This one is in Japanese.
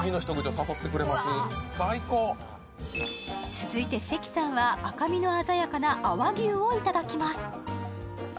続いて関さんは赤身の鮮やかな阿波牛をいただきます。